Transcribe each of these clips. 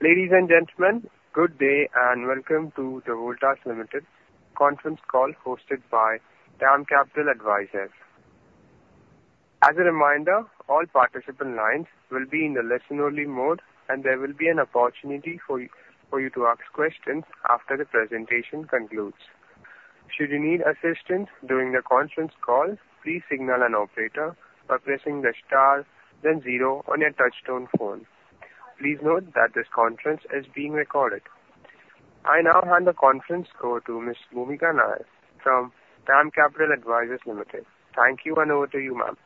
Ladies and gentlemen, good day and welcome to the Voltas Limited Conference Call hosted by DAM Capital Advisors. As a reminder, all participant lines will be in the listen-only mode and there will be an opportunity for you to ask questions after the presentation concludes. Should you need assistance during the conference call, please signal an operator by pressing the Star then zero on your touchtone phone. Please note that this conference is being recorded. I now hand the conference over to Ms. Bhoomika Nair from DAM Capital Advisors Ltd. Thank you. And over to you, ma'am.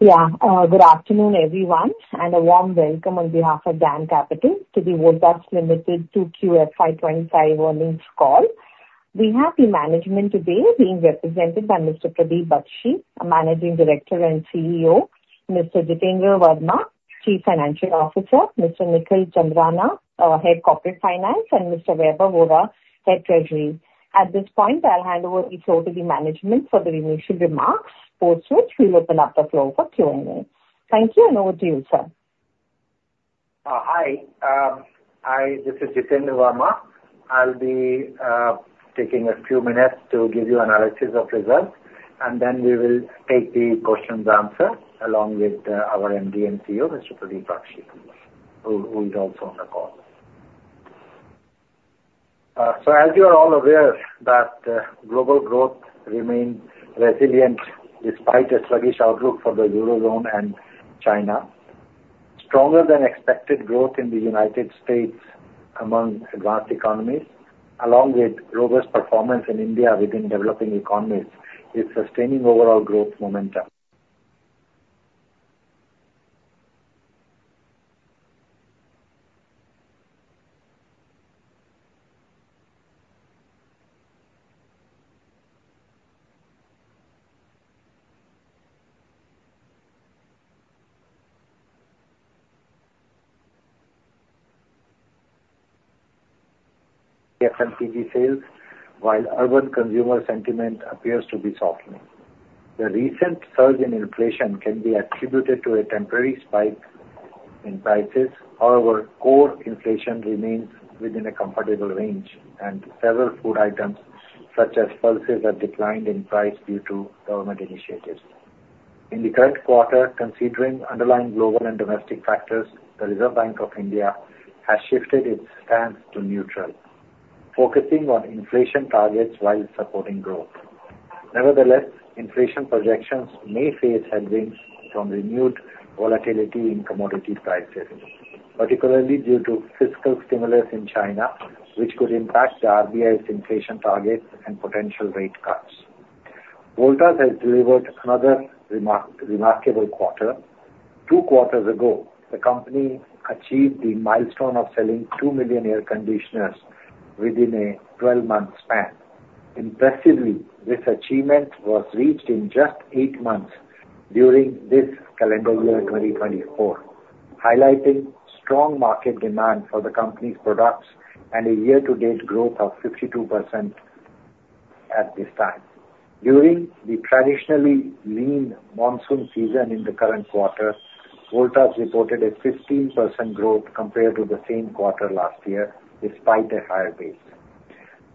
Yeah. Good afternoon everyone and a warm welcome on behalf of DAM Capital to the Voltas Limited 2Q FY25 Earnings Call. We have management today being represented by Mr. Pradeep Bakshi, Managing Director and CEO, Mr. Jitendra Verma, Chief Financial Officer, Mr. Nikhil Chandarana, Head, Corporate Finance, and Mr. Vaibhav Vora, Head, Treasury. At this point I'll hand over the floor to the management for the initial remarks after which we'll open up the floor for Q and A. Thank you. Over to you, sir. Hi, this is Jitendra Verma. I'll be taking a few minutes to give you analysis of results and then we will take the questions answered along with our MD and CEO Mr. Pradeep Bakshi who is also on the call. As you are all aware that global growth remains resilient despite a sluggish outlook for the Eurozone and China, stronger than expected growth in the United States among advanced economies along with robust performance in India within developing economies is sustaining overall growth momentum. Sales. While urban consumer sentiment appears to be softening. The recent surge in inflation can be attributed to a temporary spike in prices. However, core inflation remains within a comfortable range and several food items such as pulses have declined in price due to government initiatives in the current quarter. Considering underlying global and domestic factors, the Reserve Bank of India has shifted its stance to neutral, focusing on inflation targets while supporting growth. Nevertheless, inflation projections may face headwinds from renewed volatility in commodity prices particularly due to fiscal stimulus in China which could impact the RBI's inflation target and potential rate cuts. Voltas has delivered another remarkable quarter. Two quarters ago, the company achieved the milestone of selling two million air conditioners within a 12-month span. Impressively, this achievement was reached in just eight months during this calendar year 2024, highlighting strong market demand for the company's products and a year to date growth of 52% at this time during the traditionally lean monsoon season. In the current quarter, Voltas reported a 15% growth compared to the same quarter last year despite a higher base.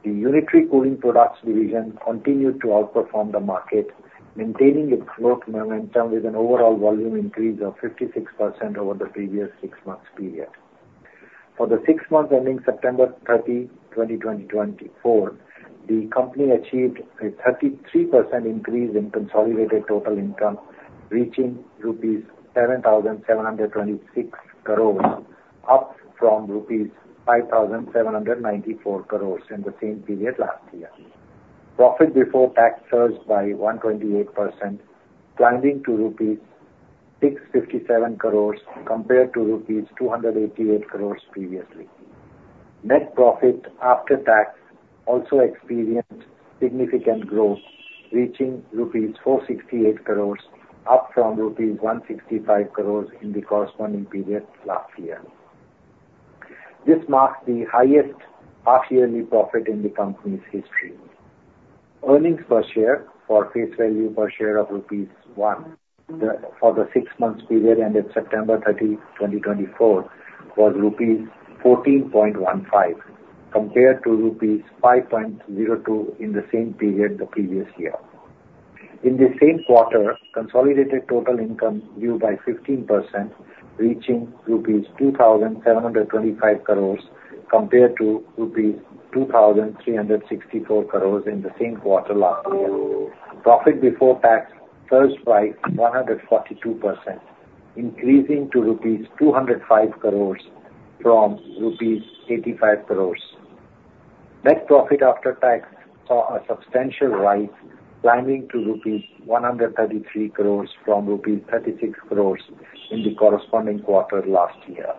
The Unitary Cooling Products division continued to outperform the market, maintaining its growth momentum with an overall volume increase of 56% over the previous lean months period. For the six months ending September 30, 2024, the company achieved a 33% increase in consolidated total income reaching 7,726 crores rupees up from 5,794 crores rupees in the same period last year. Profit before tax surged by 128% climbing to rupees 657 crores compared to rupees 288 crores previously. Net profit after tax also experienced significant growth reaching rupees 468 crores up from rupees 165 crores in the corresponding period last year. This marks the highest half yearly profit in the company's history. Earnings per share for face value per share of rupees 1 for the six months period ended September 30, 2024 was rupees 14.15 compared to rupees 5.02 in the same period the previous year. In the same quarter, consolidated total income grew by 15% reaching INR 2,725 crores compared to INR 2,364 crores in the same quarter last year. Profit before tax surged by 142% increasing to rupees 205 crores from rupees 85 crores, net profit after tax saw a substantial rise climbing to rupees 133 crores from rupees 36 crores in the corresponding quarter last year.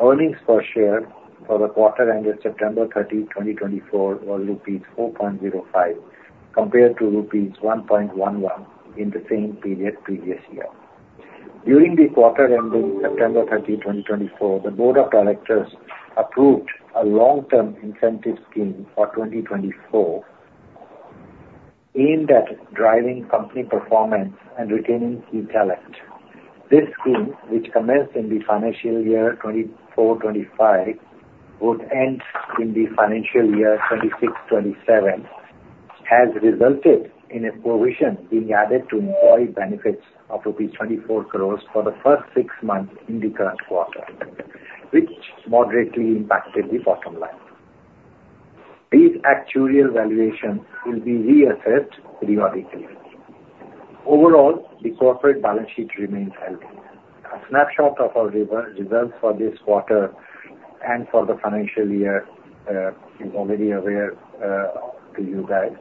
Earnings per share for the quarter ended September 30, 2024 were rupees 4.05 compared to rupees 1.11 in the same period previous year. During the quarter ending September 30, 2024, the Board of Directors approved a long term incentive scheme for 2024 aimed at driving company performance and retaining key talent. This scheme, which commenced in the financial year 2025 and would end in the financial year 2027, has resulted in a provision being added to employee benefits of rupees 24 crores for the first six months in the current quarter, which moderately impacted the bottom line. These actuarial valuations will be reassessed periodically. Overall, the corporate balance sheet remains healthy. A snapshot of our results for this quarter and for the financial year is already available to you guys.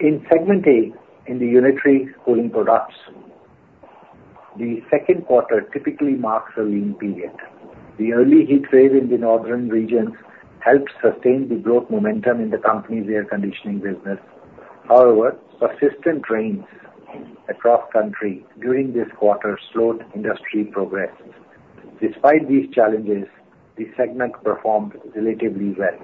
In Segment A, in the Unitary Cooling Products, the second quarter typically marks a lean period. The early heat wave in the northern regions helped sustain the growth momentum in the company's air conditioning business. However, persistent rains across the country during this quarter slowed industry progress. Despite these challenges, the segment performed relatively well,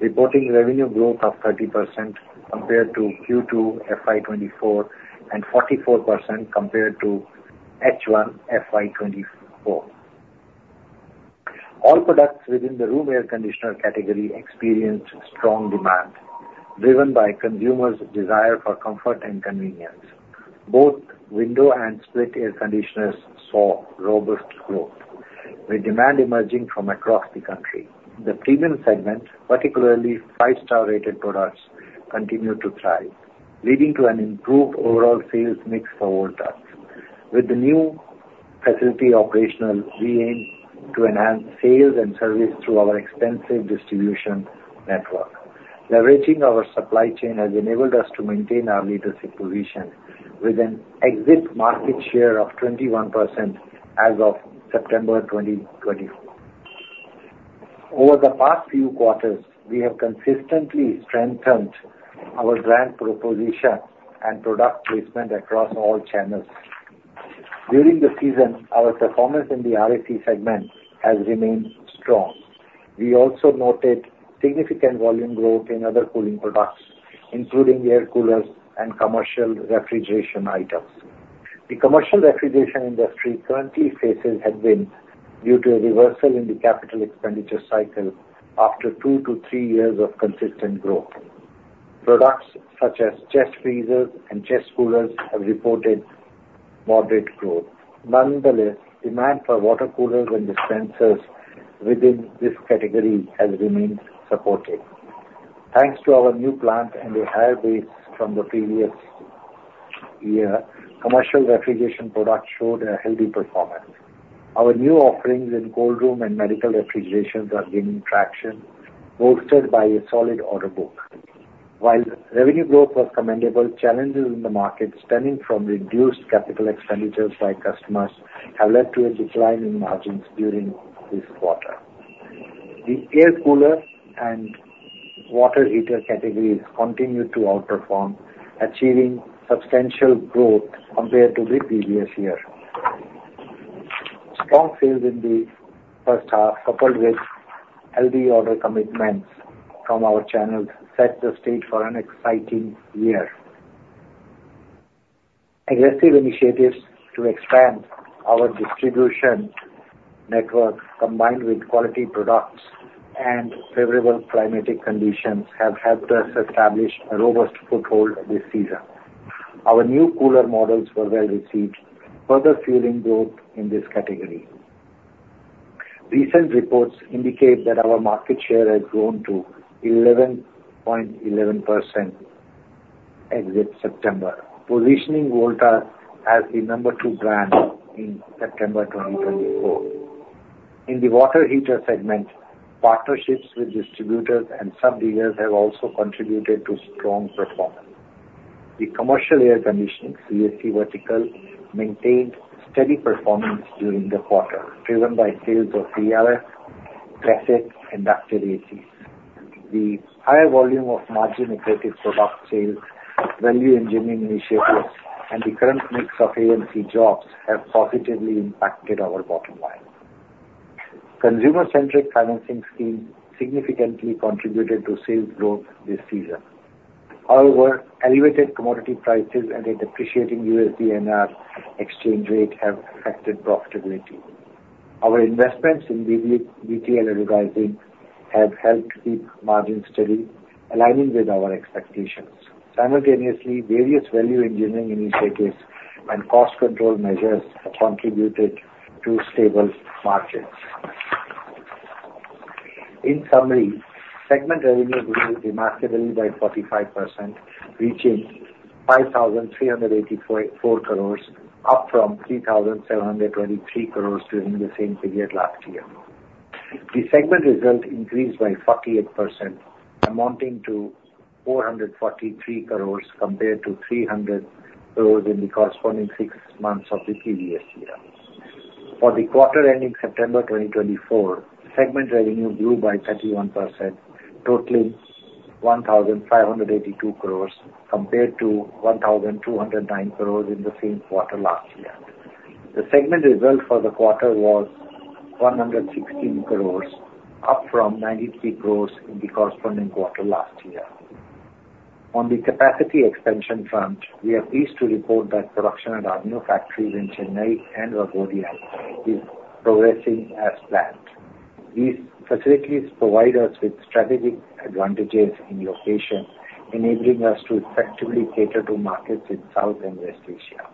reporting revenue growth of 30% compared to Q2 FY24 and 44% compared to H1 FY24. All products within the room air conditioner category experienced strong demand driven by consumer's desire for comfort and convenience. Both window and split air conditioners saw robust growth with demand emerging from across the country. The premium segment, particularly five-star rated products, continue to thrive, leading to an improved overall sales mix for Voltas. With the new facility operational, we aim to enhance sales and service through our extensive distribution network. Leveraging our supply chain has enabled us to maintain our leadership position with an exit market share of 21% as of September 2024. Over the past few quarters, we have consistently strengthened our brand proposition and product placement across all channels. During the season, our performance in the RAC segment has remained strong. We also noted significant volume growth in other cooling products including air coolers and commercial refrigeration items. The commercial refrigeration industry currently faces headwinds due to a reversal in the capital expenditure cycle after two to three years of consistent growth. Products such as chest freezers and chest coolers have reported moderate growth. Nonetheless, demand for water coolers and dispensers within this category has remained supportive. Thanks to our new plant and a higher base from the previous year, commercial refrigeration products showed a healthy performance. Our new offerings in cold room and medical refrigeration are gaining traction bolstered by a solid order book. While revenue growth was commendable, challenges in the market stemming from reduced capital expenditures by customers have led to a decline in margins during this quarter. The air cooler and water heater categories continued to outperform, achieving substantial growth compared to the previous year. Strong sales in the first half coupled with healthy or heavy order commitments from our channels set the stage for an exciting year. Aggressive initiatives to expand our distribution network combined with quality products and favorable climatic conditions have helped us establish a robust foothold this season. Our new cooler models were well received, further fueling growth in this category. Recent reports indicate that our market share has grown to 11.11% exit September, positioning Voltas as the number two brand in September 2024 in the water heater segment. Partnerships with distributors and sub dealers have also contributed to strong performance. The commercial air conditioning CAC vertical maintained steady performance during the quarter driven by sales of VRF, Cassette and ductable ACs. The higher volume of margin, effective product sales, value engineering initiatives and the current mix of AMC jobs have positively impacted our bottom line. Consumer centric financing schemes significantly contributed to sales growth this season. However, elevated commodity prices and a depreciating USD-INR exchange rate have affected profitability. Our investments in BTL advertising have helped keep margins steady, aligning with our expectations. Simultaneously, various value engineering initiatives and cost control measures contributed to stable margins. In summary, segment revenue grew remarkably by 45%, reaching 5,384 crores, up from 3,723 crores during the same period last year. The segment result increased by 48%, amounting to 443 crores compared to 300 crores in the corresponding six months of the previous year. For the quarter ending September 2024, segment revenue grew by 31% totaling 1,582 crores compared to 1,209 crores in the same quarter last year. The segment result for the quarter was 116 crores, up from 93 crores in the corresponding quarter last year. On the capacity expansion front, we are pleased to report that production at our new factories in Chennai and Waghodia is progressing as planned. These facilities provide us with strategic advantages in location, enabling us to effectively cater to markets in South and West Asia.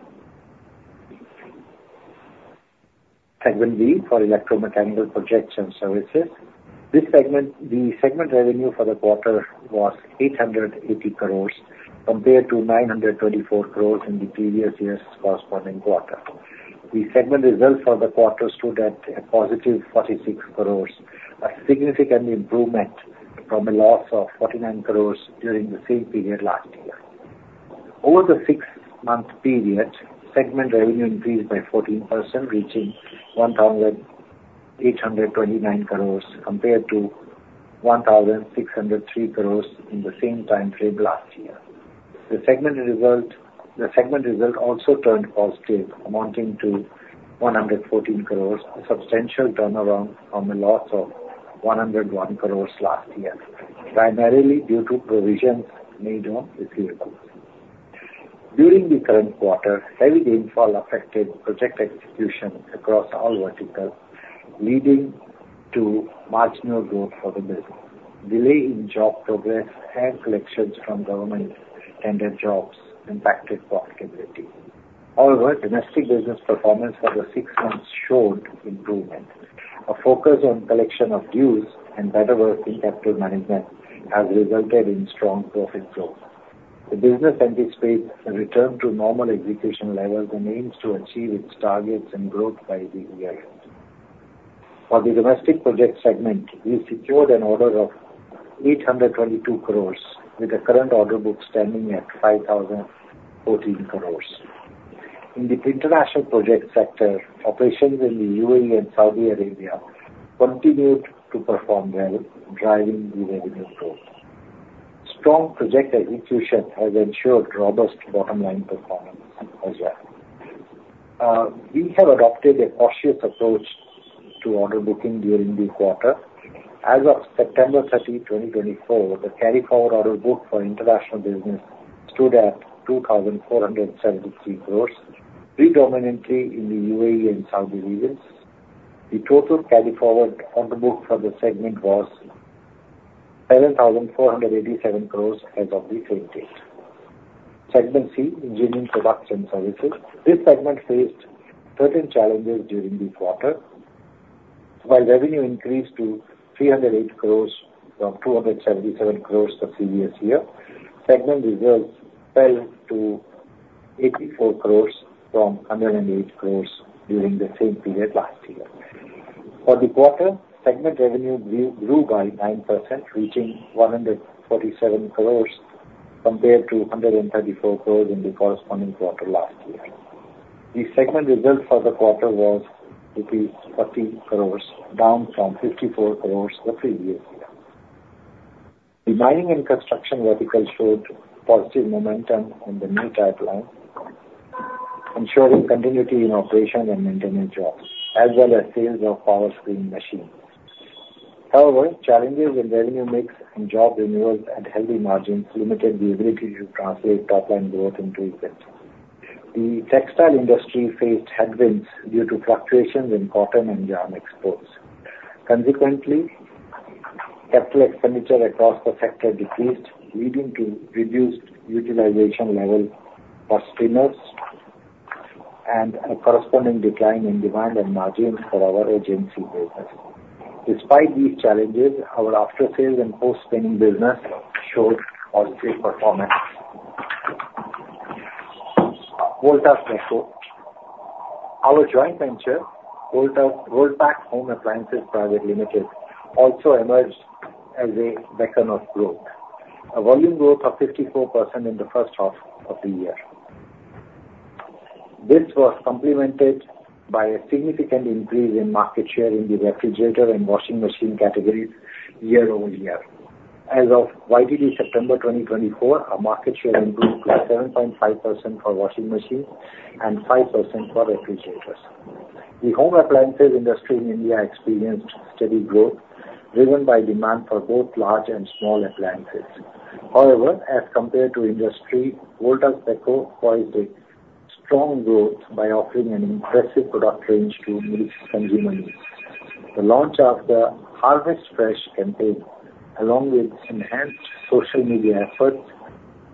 Segment B. For Electromechanical Projects and Services, this segment, the segment revenue for the quarter was 880 crores compared to 924 crores in the previous year's corresponding quarter. The segment results for the quarter stood at a positive 46 crores, a significant improvement from a loss of 49 crores during the same period last year. Over the six-month period, segment revenue increased by 14%, reaching 1,829 crores compared to 1,603 crores in the same time frame last year. The segment result also turned positive, amounting to 114 crores, a substantial turnaround from a loss of 101 crores last year primarily due to provisions made on receivables. During the current quarter, heavy rainfall affected project execution across all verticals, leading to marginal growth for the business. Delay in job progress and collections from government tender jobs impacted profitability. However, domestic business performance for the six months showed improvement. A focus on collection of dues and better working capital management has resulted in strong profit growth. The business anticipates a return to normal execution levels and aims to achieve its targets and growth by the year end. For the domestic project segment, we secured an order of 822 crores with the current order book standing at 5,014 crores in the international project sector. Operations in the UAE and Saudi Arabia continued to perform well, driving the revenue growth. Strong project execution has ensured robust bottom line performance as well. We have adopted a cautious approach to order booking during the quarter. As of September 30, 2024, the carry forward order book for international business stood at 2,473 crores predominantly in the UAE and Saudi regions. The total carry forward order book for the segment was 7,487 crores as of the same date. Segment C: Engineering Products and Services. This segment faced certain challenges during the quarter. While revenue increased to 308 crores from 277 crores the previous year, segment results fell to 84 crores from 108 crores during the same period last year. For the quarter, segment revenue grew by 9% reaching 147 crores compared to 130 crores in the corresponding quarter last year. The segment result for the quarter was rupees 40 crores down from 54 crores the previous year. The mining and construction vertical showed positive momentum in the new pipeline ensuring continuity in operation and maintenance jobs as well as sales of Powerscreen machines. However, challenges in revenue mix in job renewals and healthy margins limited the ability to translate top line growth into EBIT. The textile industry faced headwinds due to fluctuations in cotton and yarn exports. Consequently, capital expenditure across the sector decreased leading to reduced utilization level for spinners and a corresponding decline in demand and margin for our agency business. Despite these challenges, our after sales and post spinning business showed positive performance. Voltas Beko, our joint venture Voltbek Home Appliances Private Limited also emerged as a beacon of growth, a volume growth of 54% in the first half of the year. This was complemented by a significant increase in market share in the refrigerator and washing machine categories year-over-year. As of YTD September 2024, our market share improved by 7.5% for washing machines and 5% for refrigerators. The home appliances industry in India experienced steady growth driven by demand for both large and small appliances. However, as compared to industry volumes, Voltas Beko achieved strong growth by offering an impressive product range to meet consumer needs. The launch of the HarvestFresh campaign, along with enhanced social media efforts,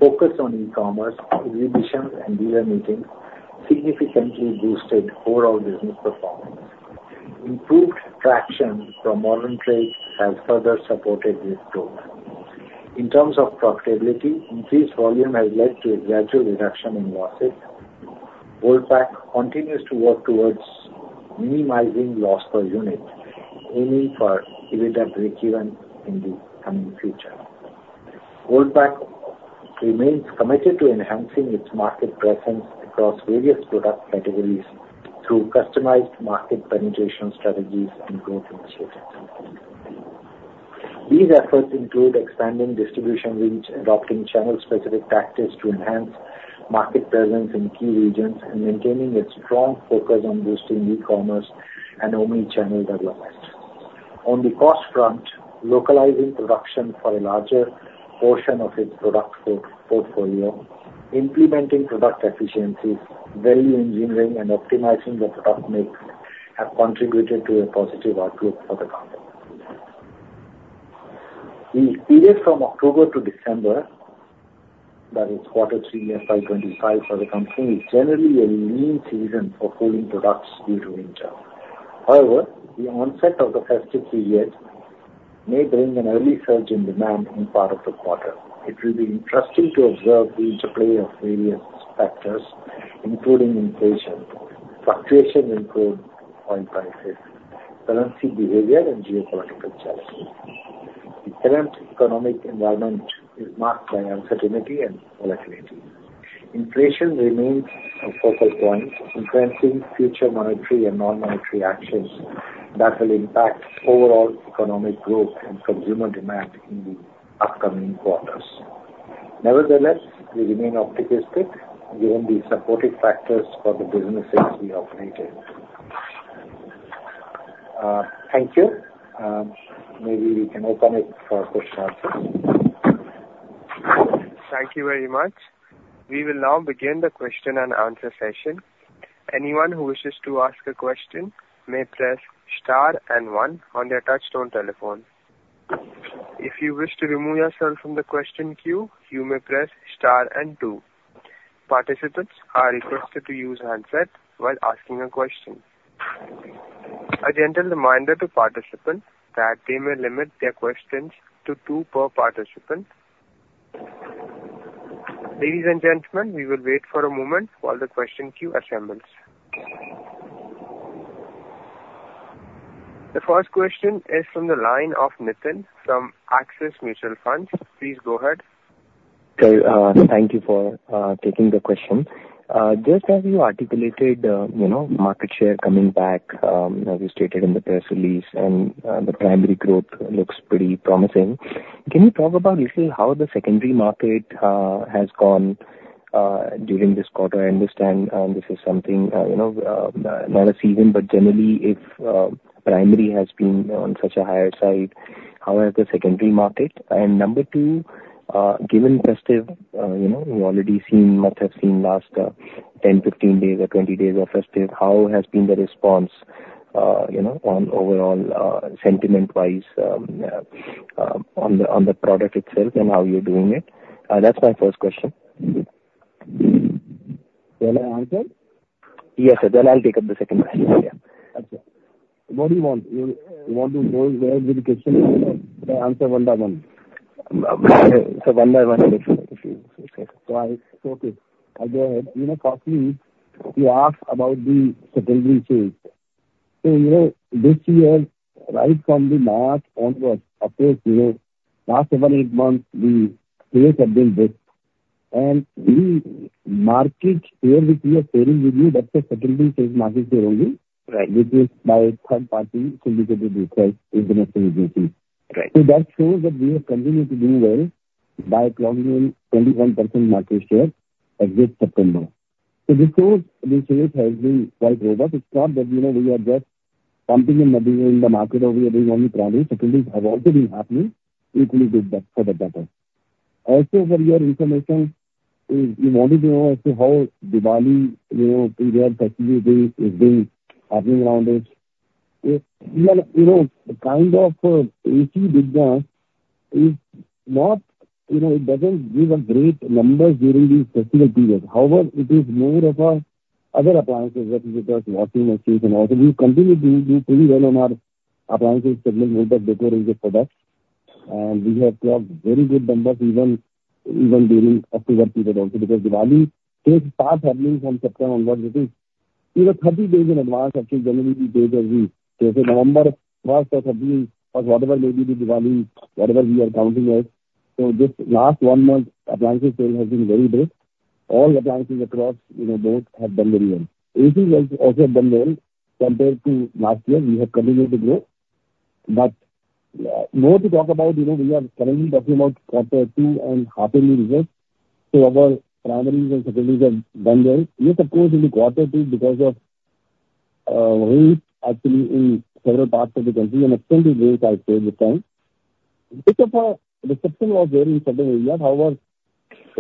focus on e-commerce exhibitions and dealer meetings significantly boosted overall business performance. Improved traction from modern trade has further supported this growth. In terms of profitability, increased volume has led to a gradual reduction in losses. Voltas Beko continues to work towards minimizing loss per unit, aiming for EBITDA breakeven in the coming future. Voltas Beko remains committed to enhancing its market presence across various product categories through customized market penetration strategies and growth initiatives. These efforts include expanding distribution reach, adopting channel specific practice to enhance market presence in key regions, and maintaining a strong focus on boosting e-commerce and Omnichannel development. On the cost front, localizing production for a larger portion of its product portfolio, implementing product efficiencies, value engineering and optimizing the product mix have contributed to a positive outlook for the company. The period from October to December that is quarter three FY25 for the company is generally a lean season for cooling products due to winter. However, the onset of the festive period may bring an early surge in demand in part of the quarter. It will be interesting to observe the interplay of various factors including inflation, fluctuation in crude oil prices, currency behavior and geopolitical challenges. The current economic environment is marked by uncertainty and volatility. Inflation remains a focal point influencing future monetary and non-monetary action that will impact overall economic growth and consumer demand in the upcoming quarters. Nevertheless, we remain optimistic given the supportive factors for the businesses we operate in. Thank you. Maybe we can open it for question and answers. Thank you very much. We will now begin the question and answer session. Anyone who wishes to ask a question may press star and one on their touch-tone telephone. If you wish to remove yourself from the question queue, you may press star and two. Participants are requested to use handset while asking a question. A gentle reminder to participants that they may limit their questions to two per participant. Ladies and gentlemen, we will wait for a moment while the question queue assembles. The first question is from the line of Nitin from Axis Mutual Fund. Please go ahead. Thank you for taking the question just as you articulated. Market share coming back as you stated in the press release and the primary growth looks pretty promising. Can you talk a little about how the secondary market has gone during this quarter? I understand this is something you know, not a season, but generally if primary has been on such a higher side, how has the secondary market and number two given festive, you know, we already must have seen last 10, 15, or 20 days of festive. How has been the response you know, on overall sentiment wise. On the product. Itself and how you're doing it? That's my first question. Yes. Then I'll take up the second question. What do you want? You want to answer one by one by one? Okay, you know, copy. You ask about, you know, this year right from the March onwards, you know, last seven, eight months the sales have been brisk and the market here which we are sharing with you. That's a secondary sales market data only. Right. Which is by third-party syndicated. Right. So that shows that we have continued to do well by gaining 21% market share as at September. So this quarter this year has been quite robust. It's not that you know we are just in the market over here is only problems have also been happening equally good for the better. Also for your information you wanted to know as to how Diwali. You know. You know kind of is not. You know it doesn't give great numbers during this festival period. However it is more of other appliances. And also we continue to do pretty well on our AC related products. And we have clocked very good numbers even during October period. Also because Diwali from September onwards it is even 30 days in advance. Whatever we are counting as. So this last one month appliance sales has been very big. All appliances across. You know both have done very well. AC also have done well compared to last year. We have continued to grow, but more to talk about. You know we are currently talking about quarter two and half. So our primary sales and facilities have done well. Yes, of course in the quarter two because of actually in several parts of the country and extended rains. I saw with time reception was there in certain areas. However,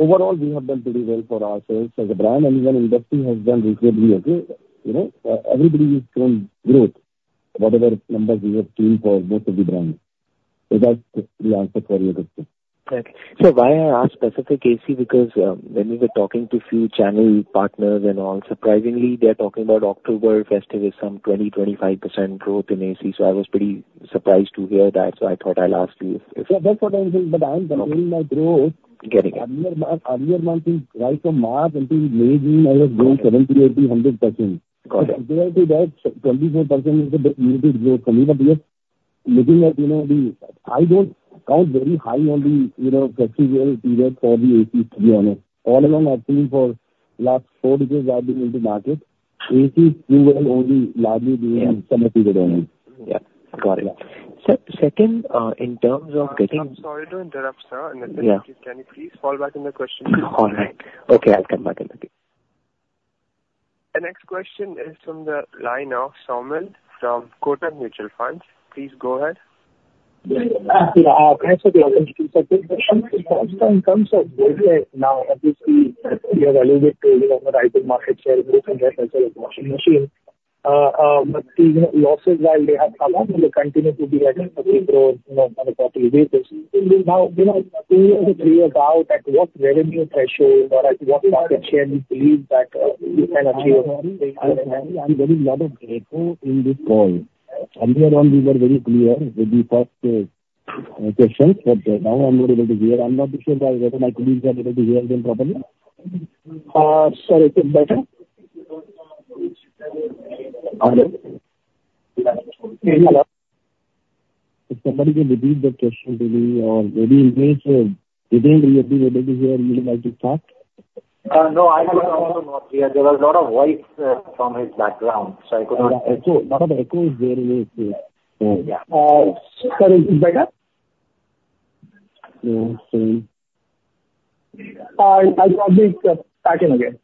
overall we have done pretty well for ourselves as a brand, and even the industry has done reasonably okay. You know, everybody has shown growth whatever numbers we have seen for most of the brands. So that's the answer for you. So, why I asked specific AC because when we were talking to few channel partners and all, surprisingly they're talking about October festive is some 20%-25% growth in AC. So I was pretty surprised to hear that. So I thought I'll ask you. That's what I'm saying. But I'm getting it right from March until May, June. I was growing 70%, 80%, 100%. 24% is a growth for me. But yes, looking at, you know, the. I don't count very high on the. You know, period for the AC, to be honest. All along I think for last four years I've been in the market AC only largely. Yeah, got it. Second in terms of getting. Sorry to interrupt, sir. Can you please go back to the question? All right. Okay, I'll come back. The next question is from the line of Sumil from Kotak Mutual Fund. Please go ahead. Losses while they have come up will. Continue to be at. What revenue threshold or at what market share you believe that you can achieve? There was a lot of noise from his background so I could not. I'll probably pack in again.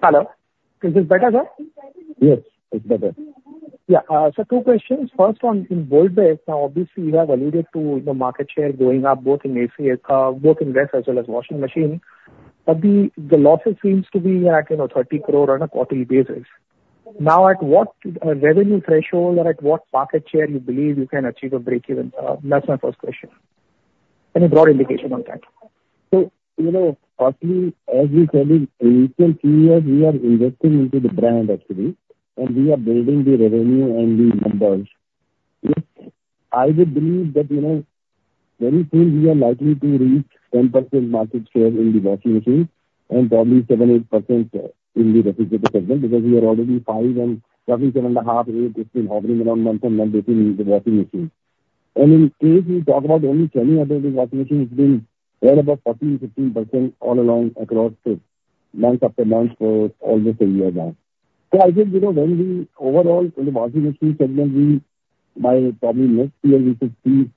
Hello. Is this better, sir? Yes, it's better. Two questions. First on installed base. Now obviously you have alluded to the. Market share going up both in ACs, both in fridges as well as washing machine but the losses seems to be at 30 crore on a quarterly basis. Now at what revenue threshold or at what market share you believe you can achieve a breakeven? That's my first question. Any broad indication on that? So you know as you said in recent few years we are investing into the brand actually and we are building the revenue and the numbers. I would believe that you know very soon we are likely to reach 10% market share in the washing machine and probably 7%-8% in the refrigerator segment because we are already 5% and roughly 7.5% 8%. It's been hovering around month to month between the washing machine and in case we talk about only 20 of those 14%-15% all along across month after month for almost a year now. So I think you know when we overall in the V segment we by probably next year we should see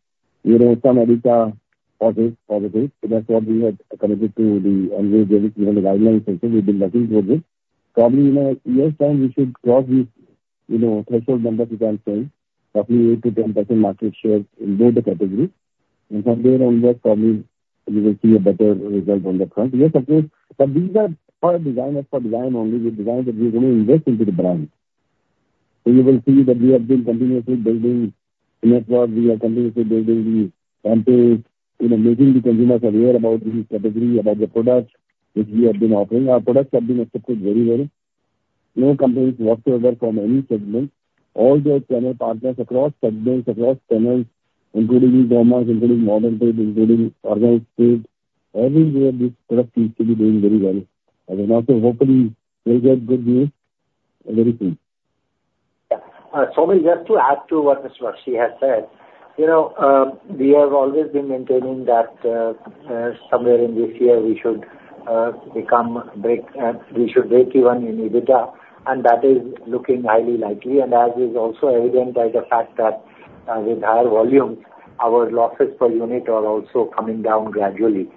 you know some EBITDA. That's what we had committed to the guideline. We've been working towards it. Probably in a year's time we should cross this, you know, threshold numbers which I'm saying roughly 8%-10% market shares in both the categories. You will see a better result on the front. Yes, of course. But these are for designers, for design only. We have decided that we're going to invest into the brand. You will see that we have been continuously building network. We are continuously building the, you know, making the consumers aware about this category, about the products which we have been offering. Our products have been accepted very well. No complaints whatsoever from any segment, all their channel partners across segments, across channels including E, including Modern, including organized food everywhere. This product seems to be doing very well also. Hopefully we'll get good news very soon. Sumil, just to add to what Mr. Bakshi has said, you know we have always been maintaining that somewhere in this year we should become, we should break even in EBITDA and that is looking highly likely. As is also evident by the fact that with higher volumes our losses per unit are also coming down gradually.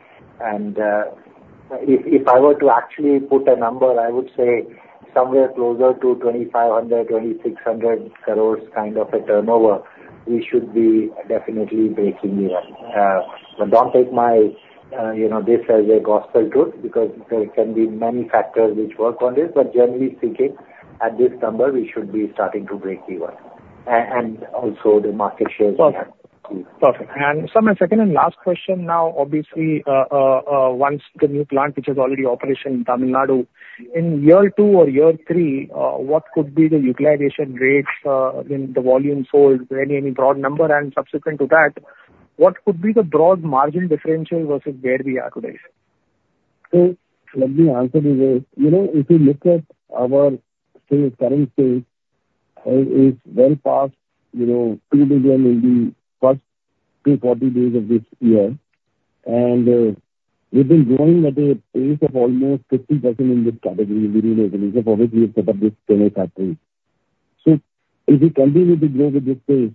If I were to actually put a number I would say somewhere closer to 2,500-2,600 crores kind of a turnover, we should be definitely breaking even. Don't take my, you know this as a gospel truth because there can be many factors which work on this but generally speaking at this number we should be starting to break even. Also the market shares. Perfect. So my second and last question now obviously once the new plant which is already operational Tamil Nadu in year. Two or year three, what could be? The utilization rates in the volume sold? Any broad number? And subsequent to that, what could be the broad margin differential versus where we are today? So let me answer the RAC. You know, if you look at our current sales is well past, you know, two million in the first 240 days of this year. And we've been growing at a pace of almost 50% in this category for which we have set up this new factory. So if we continue to grow with this pace,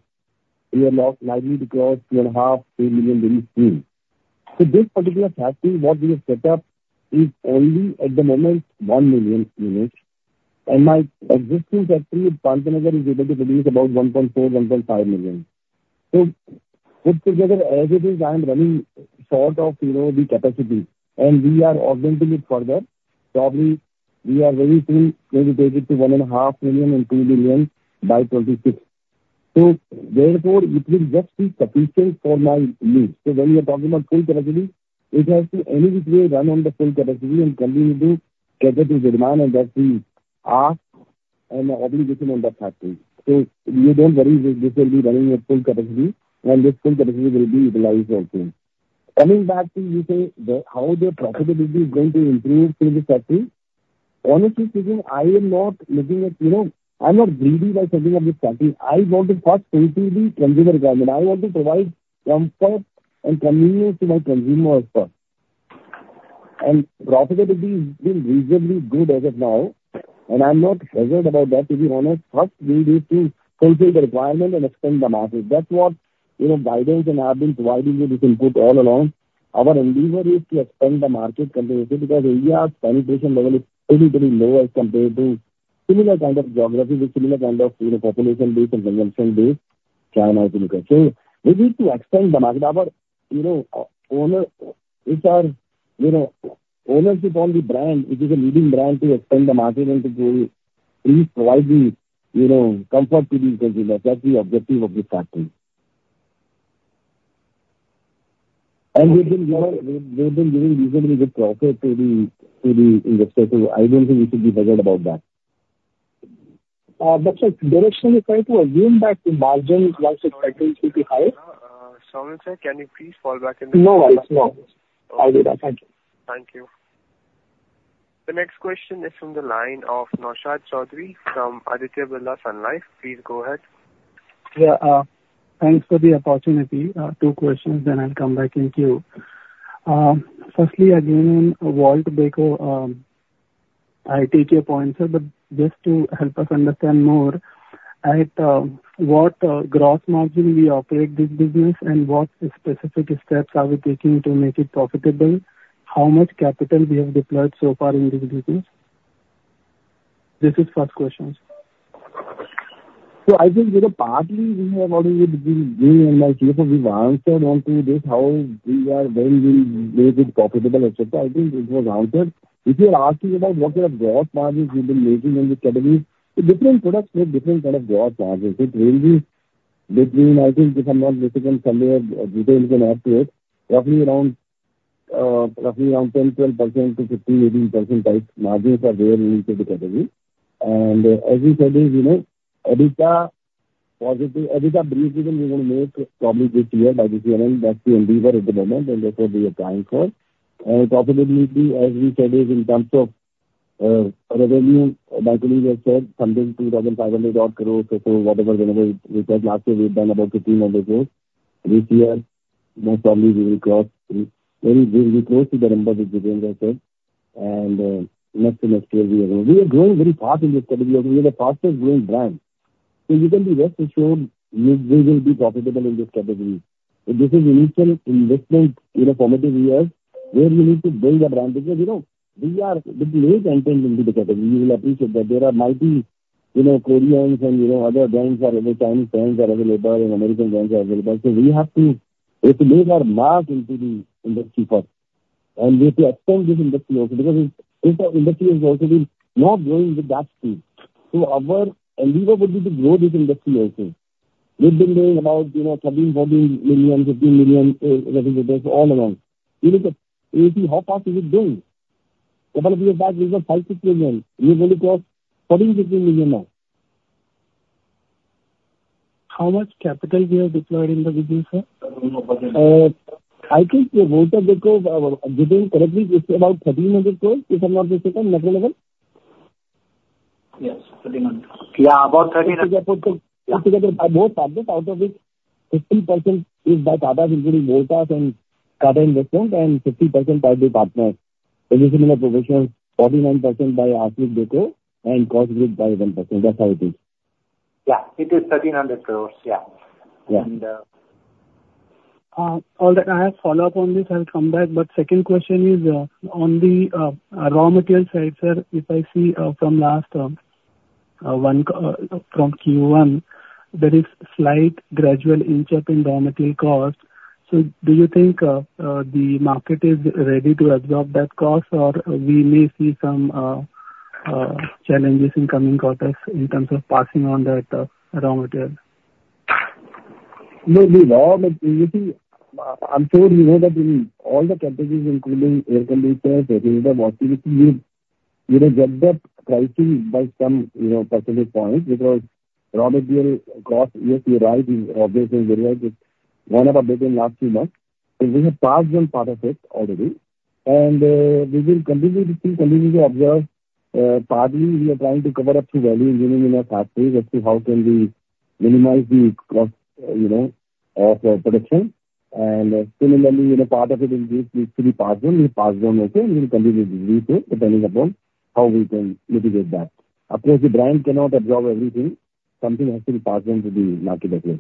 we are likely to cross two and a half, three million. So this particular factory, what we have set up is only at the moment one million units. And my existing factory is able to produce about 1.4, 1.5 million. So put together as it is, I am running short of, you know, the capacity and we are augmenting it further. Probably we are very soon going to 1.5 million and 2 million by 2026. So therefore it will just be sufficient for my needs. So when you're talking about full territory, it has to anyway run on the full capacity and continue to catch up with demand. And that we have an obligation on that factory. So you don't worry. This will be running at full capacity and this full capacity will be utilized. Also coming back to you say how the profitability is going to improve through the factory. Honestly speaking, I am not looking at, you know, I'm not greedy by setting up the factory. I want to first, I want to provide comfort and convenience to my consumers first. And profitability has been reasonably good as of now. And I'm not hassled about that to be honest. First we need to fulfill the requirement and extend the market. That's what, you know, guidance and I've been providing you this input all along. Our endeavor is to expand the market comparatively because penetration level is pretty low as compared to similar kind of geography with similar kind of, you know, population data and consumption base. So we need to extend the market. You know, it's our, you know, ownership on the brand. It is a leading brand to extend the market and to please provide the, you know, comfort to these consumers. That's the objective of this factory. I don't think we should be bothered about that. Sir, can you please fall back in the? No worries. No, thank you. Thank you. The next question is from the line of Naushad Chaudhary from Aditya Birla Sun Life. Please go ahead. Yeah, thanks for the opportunity. Two questions, then I'll come back in queue. Firstly, again, in Voltas Beko. I take your point sir, but just. To help us understand more at what gross margin we operate this business and what specific steps are we taking to make it profitable, how much capital we have deployed so far in this business? This is first questions. So I think you know partly we've answered on this how we are when we make it profitable. I think it was answered if you asking about what kind of gross margins you've been making in the categories different products with different kind of gross margins. It ranges between. I think if I'm not mistaken Jitendra can add to it. Roughly around 10%-12% to 15%-18% type margins are there in each of the category and as we said is you know positive probably this year by this year. That's the endeavor at the moment and that's what we applying for profitability as we said is in terms of revenue has said something INR 2,500 odd crores or so, whatever, whenever last year we've done about 1,500. This year most probably we will cross and next to next year we are growing very fast in this category. We are the fastest growing brand. So you can be rest assured they will be profitable in this category. This is initial investment in formative years where you need to build a brand because you know we appreciate that there are multiple, you know Korean and you know other brands, Chinese brands are available and American brands are available. So we have to establish our mark into the industry first and we have to expand this industry also because industry has also been not growing with that speed. Our endeavor would be to grow this industry. We've also been doing about, you know, 13-14 million, 15 million all along. You look at how fast is it going to cross 14-16 million now. How much capital we have deployed in the business. I think Voltas correctly, it's about 1,300 crores if I'm not mistaken. Yes. Yeah. About 1,300. Out of which 15% is by Tatas including Voltas and capital investment and 50% by the partners, 49% by Arçelik Group by 1%. That's how it is. Yeah, it is 1,300 crores. Yeah. And all that I have follow up on this, I'll come back. But second question is on the raw material side sir, if I see from last FY from Q1 there is slight gradual inch up in the material cost. So do you think the market is ready to absorb that cost or we may see some challenges in coming quarters in terms of passing on that raw material. I'm sure you know that in all the categories, including air conditioners, you know, get the pricing up by some, you know, percentage point because raw material cost. Yes, you're right. Obviously in one of our businesses last few months we have passed on part of it already and we will continue to observe. Partly we are trying to cover up through value engineering in our ACs. How can we minimize the cost, you know, of production and similarly, you know, part of it is depending upon how we can mitigate that. Of course the brand cannot absorb everything. Something has to be passed on to the market as well.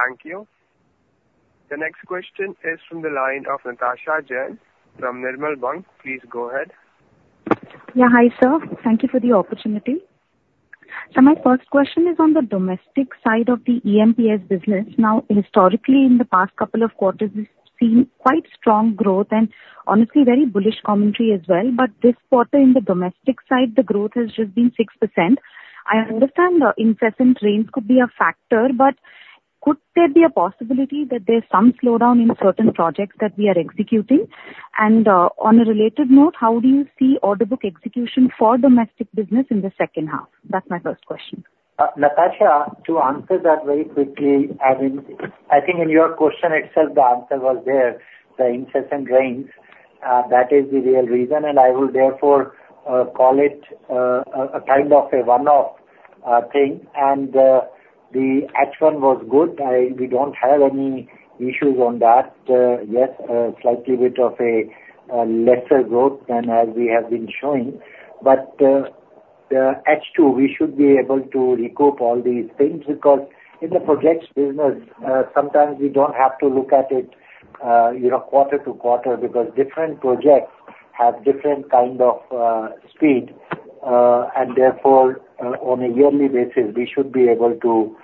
Thank you. The next question is from the line of Natasha Jain from Nirmal Bang. Please go ahead. Yeah, hi sir. Thank you for the opportunity. So my first question is on the domestic side of the EMPS business. Now historically in the past couple of quarters seen quite strong growth and honestly very bullish commentary as well. But this quarter in the domestic side the growth has just been 6%. I understand the incessant rains could be a factor, but could there be a possibility that there's some slowdown in certain projects that we are executing? And on a related note, how do you see order book execution for domestic business in the second half? That's my first question. Natasha. To answer that very quickly, I think in your question itself the answer was there: the incessant rains. That is the real reason, and I will therefore call it a kind of a one off thing. The H1 was good. We don't have any issues on that. Yes, slightly bit of a lesser growth than as we have been showing. The H2 we should be able to recoup all these things because in the projects business sometimes we don't have to look at it quarter-to-quarter because different projects have different kind of speed, and therefore on a yearly basis we should be able to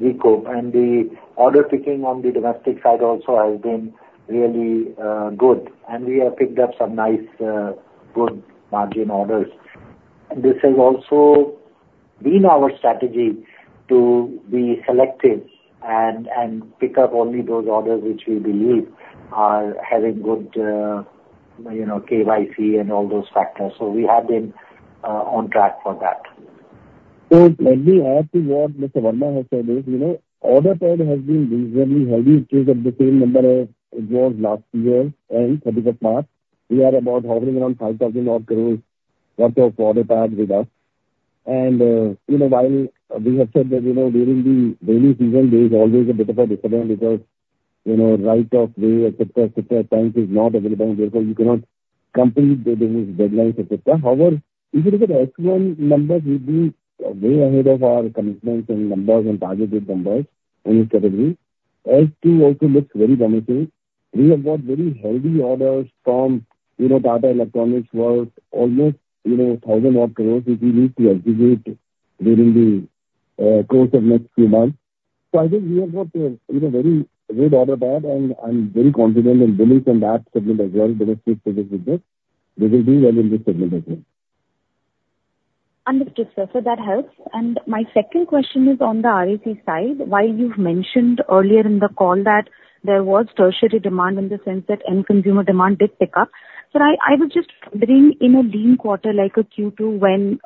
recoup. The order picking on the domestic side also has been really good, and we have picked up some nice good margin orders. This has also been our strategy to be selective and pick up only those orders which we believe are having good KYC and all those factors. So we have been on track for that. Let me add to what Mr. Verma has said. The order book has been reasonably healthy. It is of the same order as it was last year on 30th of March. We are hovering around 5,000-odd crores of order book with us. And you know, while we have said that, you know, during the rainy season there is always a bit of a discount because you know, right of way etc. etc. time is not available therefore you cannot complete deadlines etc. However, if you look at H1 numbers we're way ahead of our commitments and numbers and targeted numbers in this category. Q2 also looks very promising. We have got very healthy orders from you know Tata Electronics almost you know thousand-odd crores which we need to execute during the course of next few months. So, I think we have got very good order there and I'm very confident in billing from that segment as well. Understood, sir. So that helps. And my second question is on the RAC side while you've mentioned earlier that there was tertiary demand in the sense that end consumer demand did pick up but I would just bring in a lean quarter like a Q2 when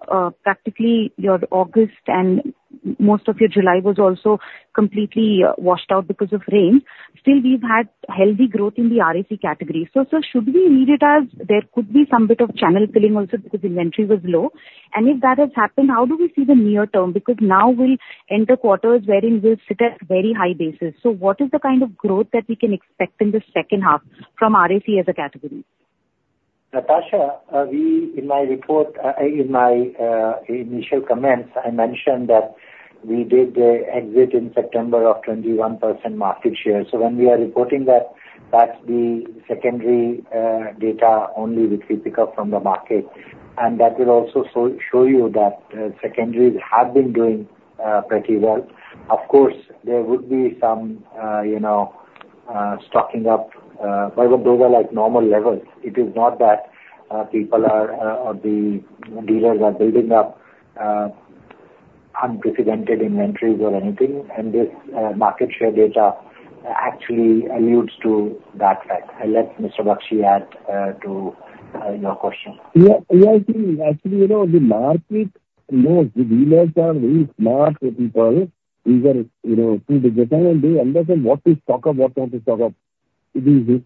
practically your August and most of your July was also completely washed out because of rain. Still we've had healthy growth in the RAC category. So should we read it as there could be some bit of channel filling also because inventory was low and if that has happened how do we see the near term because now we'll enter quarters wherein we'll sit at very high basis. So what is the kind of growth that we can expect in the second half from RAC as a category? Natasha, in my report, in my initial comments I mentioned that we did exit in September of 21% market share. So when we are reporting that that's the secondary data only which we pick up from the market and that will also show you that secondaries have been doing pretty well. Of course there would be some, you know, stocking up. Those are like normal levels. It is not that people are or the dealers are building up unprecedented inventories or anything and this market share data actually alludes to that fact. And let’s have Mr. Bakshi address your question. Yeah, yeah. Actually, you know, the market knows the dealers are very smart people. These are, you know, they understand what to stock up, what not to stock up. The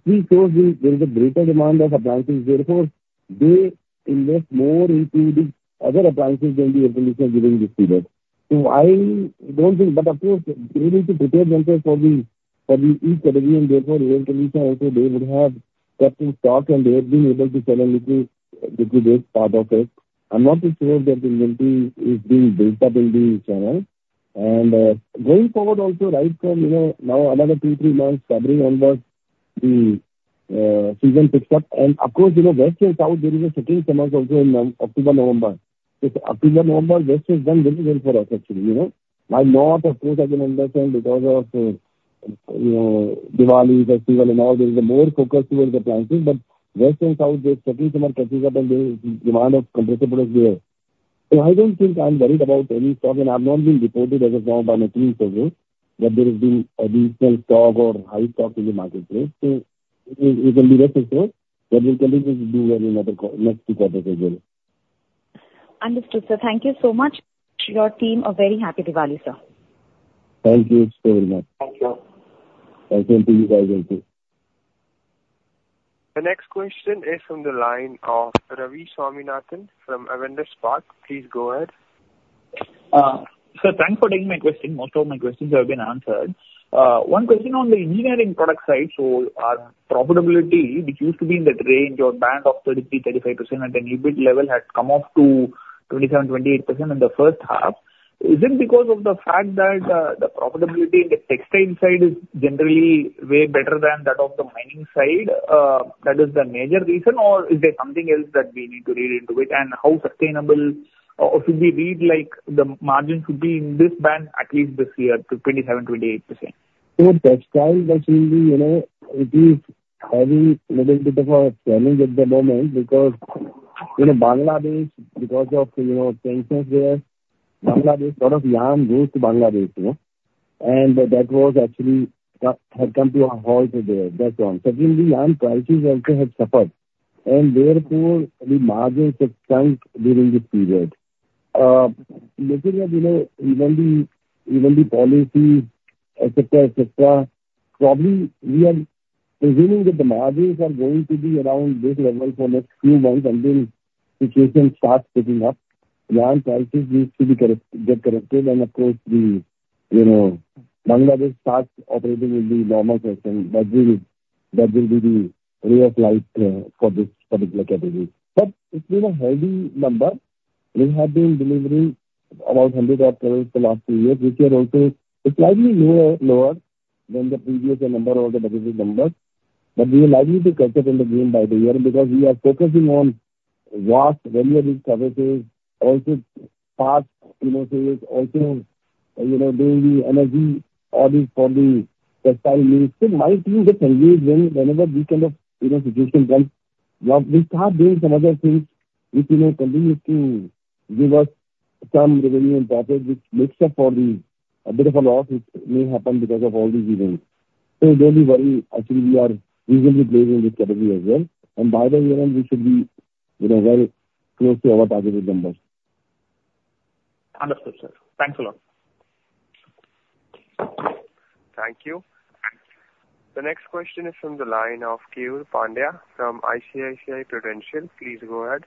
history shows there is a greater demand of appliances, therefore they invest more into the other appliances than the ACs. So I don't think, but of course they need to prepare themselves for the, for each category and therefore they would have kept in stock and they have been able to sell a little bit part of it. I'm not too sure that inventory is being built up in the channel and going forward also right from, you know, now another two, three months, February onwards the season picks up and of course, you know, west and south there is a festive season also in October, November. West has done very well for us actually, you know, mine, North, of course, has been under strain because of you know, Diwali festival and all. There is more focus towards the planning, but West, South, they're setting. Some are catching up and the demand for compressor products there. So I don't think I'm worried about any stock, and I've not been informed by my team that there has been additional stock or high stock in the marketplace. So it will be next two quarters. Understood, sir. Thank you so much. Your team are very happy to value, sir. Thank you. The next question is from the line of Ravi Swaminathan from Avendus Spark. Please go ahead. So thanks for taking my question. Most of my questions have been answered. One question on the engineering product side. So our profitability which used to be in that range or band of 33%-35% at an EBIT level had come off to 27%-28% in the first half. Is it because of the fact that the profitability in the textile side is generally way better than that of the mining side that is the major reason or is there something else that we need to read into it and how sustainable or should we read like the margin should be in this band at least this year to 27%-28%. It is having a little bit of a swelling at the moment because you know, Bangladesh because of you know, sanctions there. Bangladesh sort of yarn goes to Bangladesh and that was actually had come to a halt there. That's on certainly yarn prices also have suffered and therefore the margins have sunk during this period. Even the policy probably we are presuming that the margins are going to be around this level for next few months until situation starts picking up. Yarn prices need to be get corrected and of course the you know, Bangladesh starts operating in the normal that will be the way of life for this particular category. But it's been a healthy number. We have been delivering about 100 levels the last two years which are also slightly lower than the previous number or the desired number. But we are likely to catch up in the game by the year because we are focusing on EMPS renewable services. Also EMPS, you know, doing the energy audit for them. My team gets engaged whenever these kind of, you know, situation once we start doing some other things which you know continues to give us some revenue and payback which makes up for a bit of a loss which may happen because of all these events. So don't be worried. Actually we are reasonably placed in this category as well. And by the year end we should be, you know, well close to our targeted numbers. Understood, sir. Thanks a lot. Thank you. The next question is from the line of Keyur Pandya from ICICI Prudential. Please go ahead.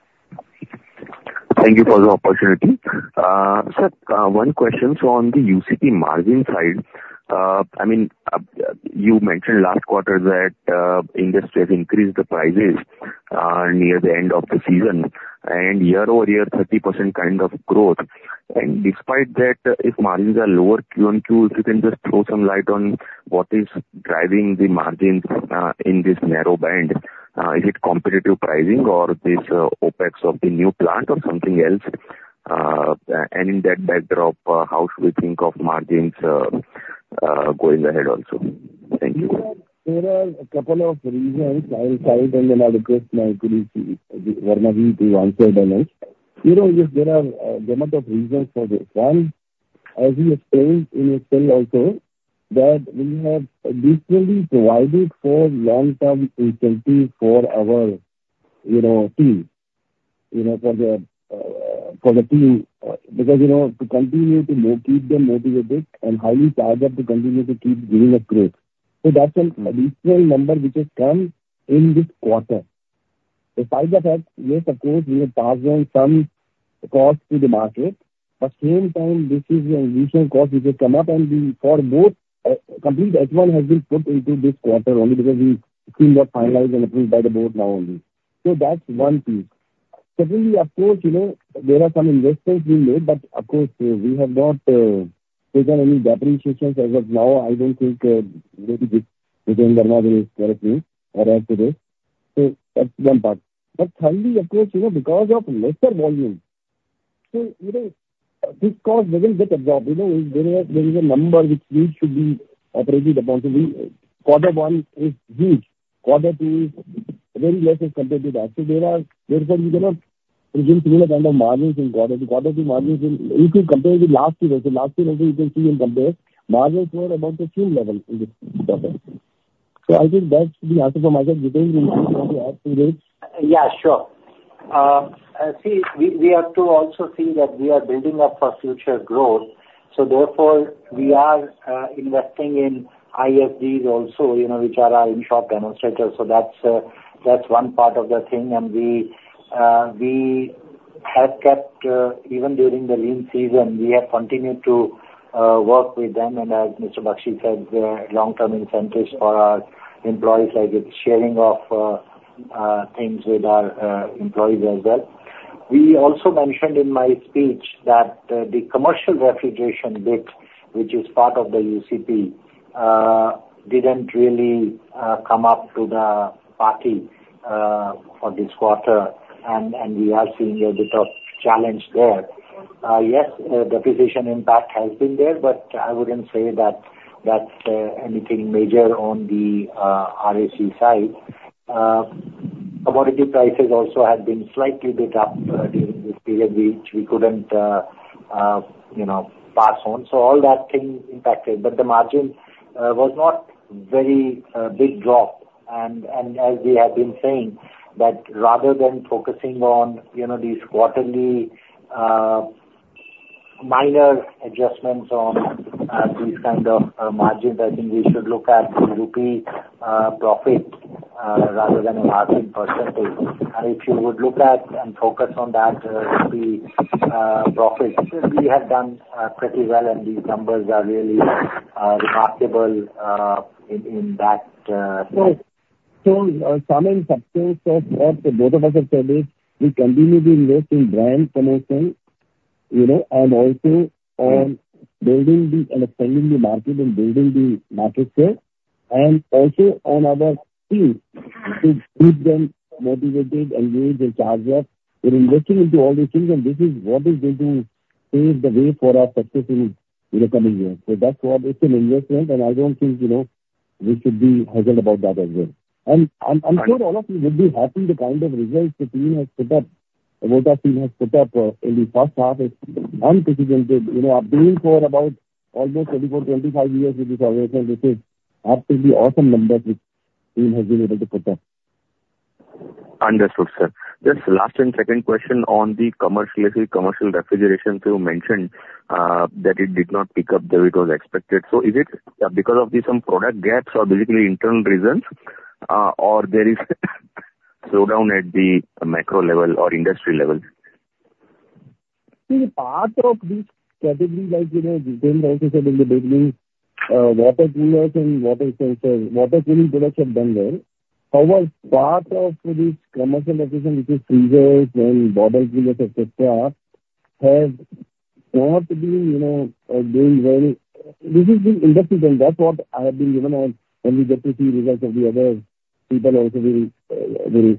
Thank you for the opportunity. Sir, one question. So on the UCP margin side, I mean you mentioned last quarter that industry has increased the prices near the end of the season and year-over-year, 30% kind of growth. And despite that if margins are lower, QoQ. If you can just throw some light on what is driving the margins in this narrow band, is it competitive pricing or the OpEx of the new plant or something else. And in that backdrop how should we think of margins going ahead? Also, thank you. There are a couple of reasons to answer them. You know there are a couple of reasons for this one as you explained in Excel also that we have definitely provided for long term incentive for our, you know, team because you know to continue to keep them motivated and highly charged up to continue to keep giving us growth. So that's a different number which has come in this quarter despite the fact. Yes of course we have passed on some cost to the market but at the same time this is an additional cost which has come up and the complete H1 has been put into this quarter only because it was approved by the board now only. So that's one piece. Secondly, of course, you know, there are some investments being made, but of course we have not taken any depreciations as of now. I don't think so. That's one part. But of course, you know, because of lesser volume, so you know, this cost doesn't get absorbed. You know, there is a number which needs to be operated upon. Quarter one is huge, quarter two is very less as compared to that. So therefore you cannot presume similar kind of margins in quarter quarter margins. If you compare with last year. Last year you can see in comparable margins were about the same level. So I think that. Yeah sure. See we, we have to also see that we are building up for future growth. So therefore we are investing in ISDs also which are our in-shop demonstrators. So that's one part of the thing. And we have kept even during the lean season. We have continued to work with them and as Mr. Bakshi said long term incentives for our employees, like it's sharing of things with our employees as well. We also mentioned in my speech that the commercial refrigeration bit which is part of the UCP didn't really come up to the party for this quarter and we are seeing a bit of challenge there. Yes, depreciation impact has been there but I wouldn't say that anything major on the side. Commodity prices also had been slightly up. We couldn't pass on. So all that came impacted, but the margin was not very big drop. And as we have been saying that rather than focusing on these quarterly minor adjustments on these kind of margins, I think we should look at rupee profit. Rather than a margin percentage. And if you would look at and focus on that, the profits we have done pretty well, and these numbers are really remarkable in that. So what both of us have said is we continue to invest in brand promotion, you know, and also on building and expanding the market and building the market share and also on our team to keep them motivated, engaged, in charge of investing into all these things, and this is what is going to pave the way for our success in the coming years. So that's what it's an investment, and I don't think, you know, we should be hesitant about that as well, and I'm sure all of you would be happy. The kind of results the team has put up in the first half is unprecedented. You know, I've been for about almost 24, 25 years with this absolutely awesome number. Understood, sir. This last and second question on the commercial refrigeration to mention that it did not pick up as expected. So is it because of some product gaps or basically internal reasons or there is slowdown at the macro level? Our industry levels have done well. However, part of this commercial refrigeration which is freezers and bottles etc. have not been, you know, doing well. This has been in decline. That's what I have been given on. When we get to see results of the others, people also will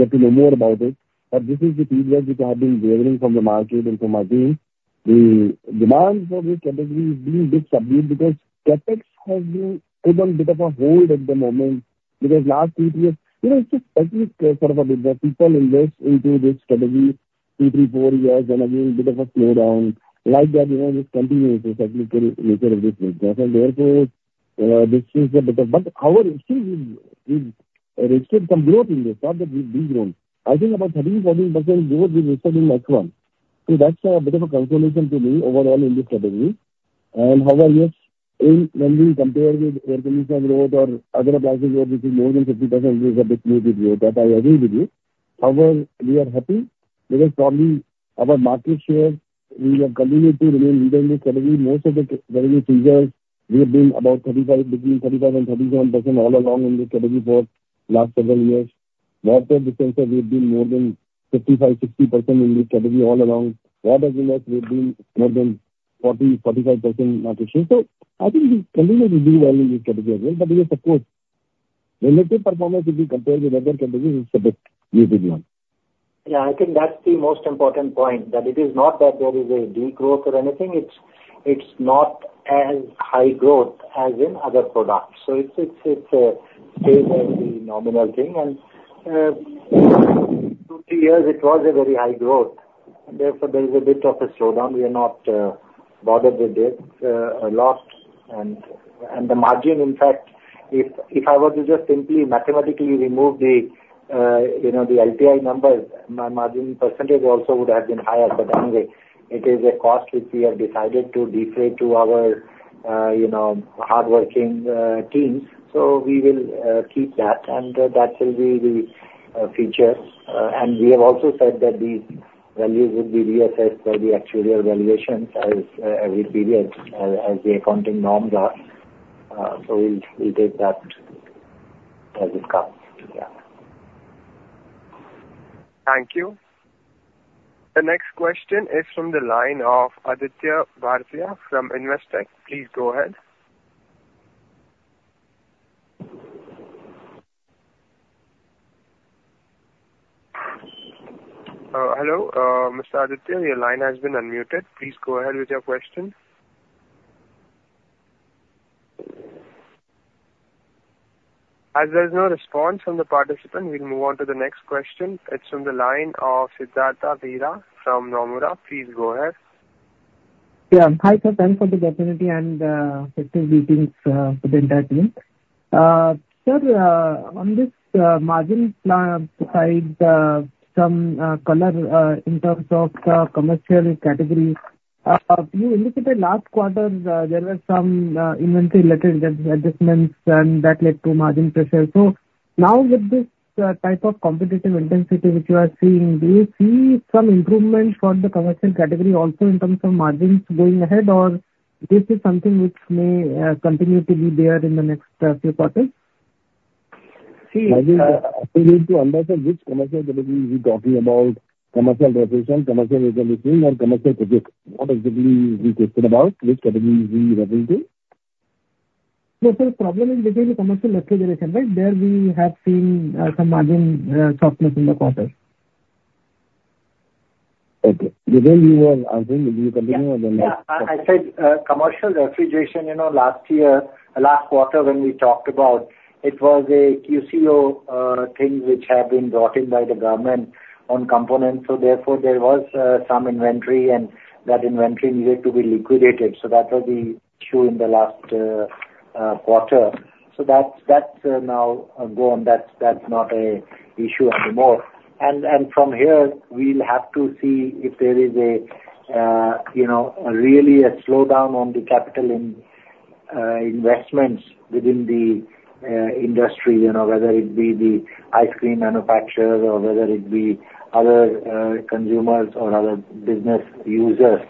get to know more about it. But this is the feedback which I have been gathering from the market and from the demand for the category is being a bit subdued because CapEx has been took on a bit of a hold at the moment because last, you know, sort of a people invest into this strategy two, three, four years and again a bit of a slowdown like that. You know, just continues the cyclical nature of this business and therefore this is a bit of but our. I think about 13%-14% so that's a bit of a confirmation to me overall in this category. And however yes when we compare with air conditioner or other appliances which is more than 50% I agree with you. However we are happy because probably our market share we have continued to remain most of the. We have been about 35%-37% all along in this category for last several years water dispensers we've been more than 55%-60% in this category all around. Water heaters we've been more than 40%-45% in that. So I think we continue to do well in these categories. But yes, of course relative performance, if we compare with other categories it's a bit. Yeah, I think that's the most important point. That it is not that there is. A degrowth or anything. It's. It's not as high growth as in other products. So it stays as the nominal thing. And. Two, three years it was a very high growth. Therefore, there is a bit of a slowdown. We are not bothered with this loss and the margin. In fact, if I were to just simply mathematically remove the LTI numbers, my margin percentage also would have been higher. But anyway, it is a cost which we have decided to allocate to our, you know, hard-working teams. So we will keep that and that will be the future. And we have also said that these values would be reassessed by the actuarial valuations at every period as the accounting norms are. So we'll take that. Thank you. The next question is from the line of Aditya Bhartia from Investec. Please go ahead. Hello Mr. Aditya, your line has been unmuted. Please go ahead with your question. As there is no response from the participant, we'll move on to the next question. It's on the line of Siddhartha Bera from Nomura. Please go ahead. Yeah, hi sir. Thanks for the opportunity. On this margin side, some color in terms of the commercial category, you indicated last quarter there were some inventory related adjustments and that led to margin pressure. So now with this type of competitive intensity which you are seeing, do you see some improvement for the commercial category also in terms of margins going ahead or this is something which may continue to be there in the next few quarters. Which commercial is he talking about? Commercial. Commercial project. What exactly? The question about which category between the commercial refrigeration. Right there we have seen some margin softness in the quarter. Okay. I said commercial refrigeration, you know, last year, last quarter when we talked about it was a key. You see things which have been brought in by the government on components. So therefore there was some inventory and that inventory needed to be liquidated. So that was the issue in the last quarter. So that's now gone. That's not an issue anymore. And from here we'll have to see if there is really a slowdown on the capital in investments within the industry, whether it be the ice cream manufacturers or whether it be other consumers or other business users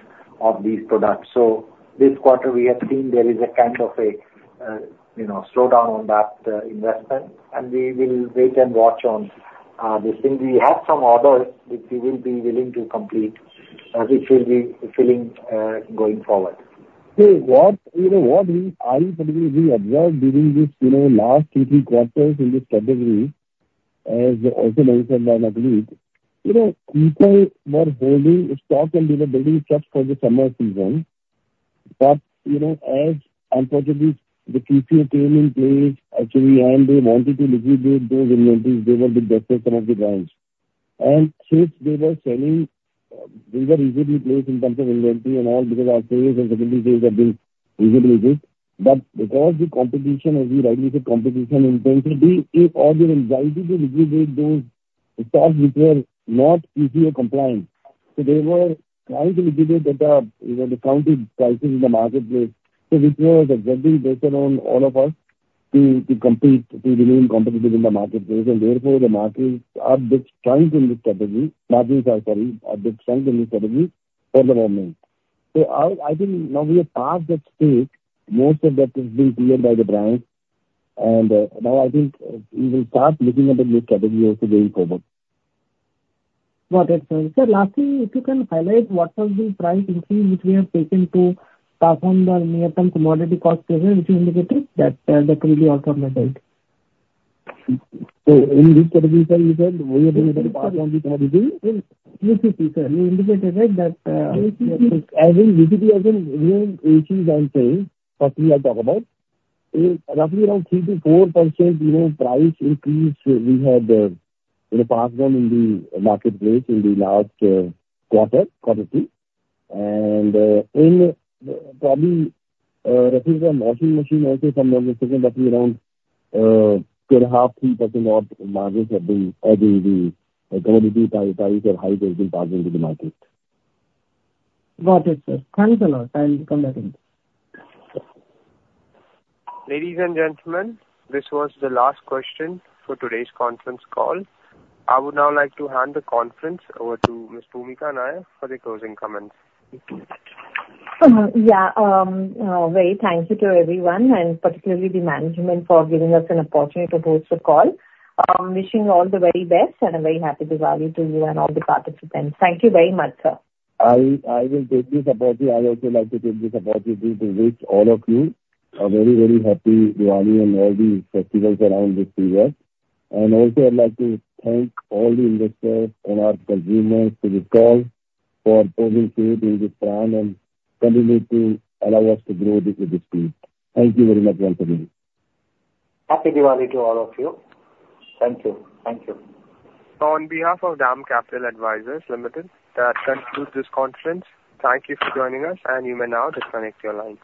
of these products. So this quarter we have seen there is a kind of slowdown on that investment and we will wait and watch on this thing. We have some orders which we will. Be willing to complete as it will be feeling going forward. We observed during this last two, three quarters in this category as also mentioned by Manish. You know, people were holding stock and they were building trust for the summer season. But you know, unfortunately the QCO came in place actually and they wanted to liquidate those. They were the best of some of the brands and since they were selling they were reasonably placed in terms of inventory and all because our sales and secondary sales have been reasonably good but because the competition, as we rightly said, competition intensity or the anxiety to liquidate those stocks which were not QCO compliant. So they were trying to liquidate that discounted prices in the marketplace. So which was exactly based on all of us to compete to remain competitive in the marketplace and therefore the market are big strength in this category. Margin, sorry, a big strength in this category for the moment. So I think now we are past that stage. Most of that has been cleared by the brand and now I think we will start looking at the new category also going forward. Got it, sir. Lastly, if you can highlight what has been price increase which we have taken to perform the near term commodity cost which you indicated that that will be also metal. Roughly around 3%-4%. You know, price increase we had, you know passed on in the marketplace in the last quarter and in probably. Got it, sir. Thanks a lot. Ladies and gentlemen, this was the last question for today's conference call. I would now like to hand the. Conference over to Ms. Bhoomika Nair for the closing comments. Yeah, thank you very much to everyone and particularly the management for giving us an. Opportunity to host a call. Wishing you all the very best and a very happy Diwali to you and all the participants. Thank you very much sir. I will take this opportunity. I also like to take this opportunity to wish all of you a very, very happy Diwali and all these festivals around this event. Also, I'd like to thank all the investors and our consumers to this call for posing this brand and continue to allow us to grow this. Thank you very much. Welcome. Happy Diwali to all of you. Thank you. Thank you On behalf of DAM Capital Advisors Limited. That concludes this conference. Thank you for joining us and you may now disconnect your lines.